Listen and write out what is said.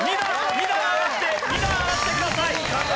２段上がって２段上がってください。